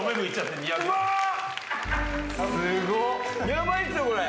ヤバいっすよこれ。